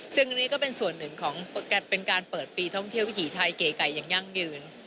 ซึ่งอันนี้ก็เป็นส่วนหนึ่งของเป็นการเปิดปีท่องเที่ยววิถีไทยเก๋ไก่อย่างยั่งยืน